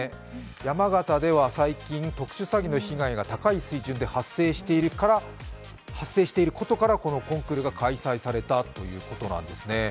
山形では最近、特殊詐欺の被害が高い水準で発生していることから、このコンクールが開催されたということなんですね。